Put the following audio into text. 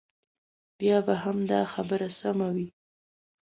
بیا به هم دا خبره سمه وي.